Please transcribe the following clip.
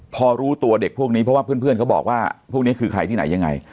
พอรู้ตัวเด็กพวกนี้เพราะว่าเพื่อนเขาบอกว่าพวกนี้คือใครที่ไหนยังไง